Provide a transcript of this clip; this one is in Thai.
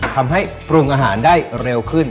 ทำให้ปรุงอาหารได้เร็วขึ้น